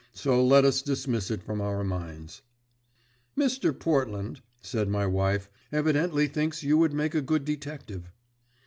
So let us dismiss it from our minds." "Mr. Portland," said my wife, "evidently thinks you would make a good detective."